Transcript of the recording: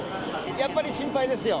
やっぱり心配ですよ。